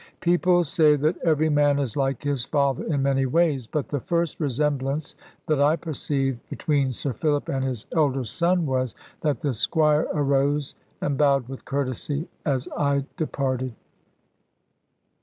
People say that every man is like his father in many ways; but the first resemblance that I perceived between Sir Philip and his elder son was, that the squire arose and bowed with courtesy as I departed.